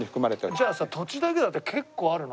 じゃあさ土地だけだって結構あるな。